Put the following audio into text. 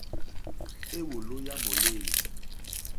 Éwòló yá mòlêlì.